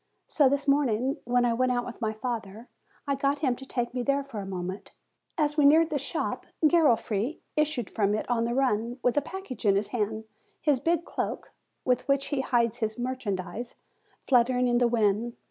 So this morning when I went out with my father, I got him to take me there for a moment. As we neared the shop, Garofri issued from it on a run, with a package in his hand, his big cloak, with which he hides his merchandise, fluttering in the wind.